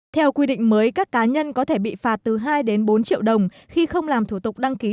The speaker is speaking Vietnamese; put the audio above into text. theo quy định mới các cá nhân có thể bị phạt từ hai đến bốn triệu đồng khi không làm thủ tục đăng ký